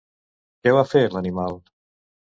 Què va fer, l'animal?